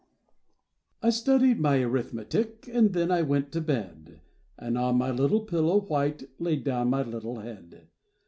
I STUDIED my arithmetic, And then I went to bed, And on my little pillow white Laid down my little head.